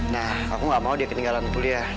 nah aku gak mau dia ketinggalan kuliah